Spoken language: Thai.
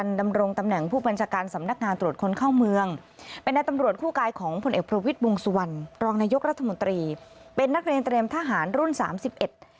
ดำรงตำแหน่งผู้บัญชาการสำนักงานตรวจคนเข้าเมืองเป็นในตำรวจคู่กายของผลเอกประวิทย์วงสุวรรณรองนายกรัฐมนตรีเป็นนักเรียนเตรียมทหารรุ่นสามสิบเอ็ด